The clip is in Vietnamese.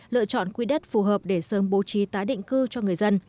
lựa chọn quy đất phù hợp để sớm bố trí tái định cư cho người dân